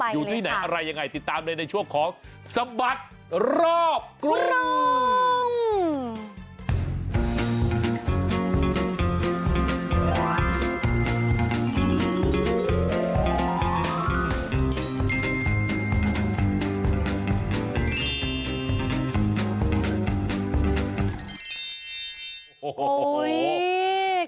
อยู่ที่ไหนอะไรยังไงติดตามเลยในช่วงของสบัดรอบกรุง